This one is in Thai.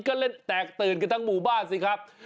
ก็เล่นแตกตื่นกันทั้งหมู่บ้านสิครับ